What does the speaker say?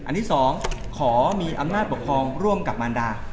ที่๒ขอมีอำนาจปกครองร่วมกับมารดา